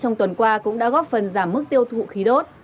trong tuần qua cũng đã góp phần giảm mức tiêu thụ khí đốt